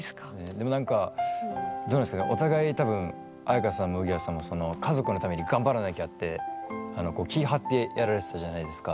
でもなんかどうなんですかねお互い多分綾華さんもウギアさんもその家族のために頑張らなきゃって気張ってやられてたじゃないですか。